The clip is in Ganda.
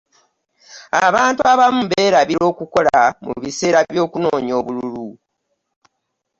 Abantu abamu beerabira okukola mu biseera by'okunoonya obululu.